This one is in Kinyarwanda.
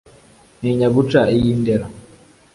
ntinya guca iy’ i ndera